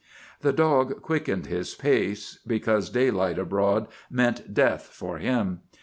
The dog quickened his pace, because daylight abroad meant death for him.